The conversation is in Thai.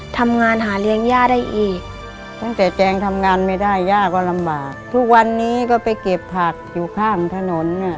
ทำงานหาเลี้ยงย่าได้อีกตั้งแต่แจงทำงานไม่ได้ย่าก็ลำบากทุกวันนี้ก็ไปเก็บผักอยู่ข้างถนนอ่ะ